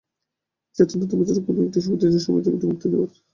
ইচ্ছে আছে নতুন বছরের কোনো একটি সুবিধাজনক সময়ে ছবিটি মুক্তি দেওয়ার।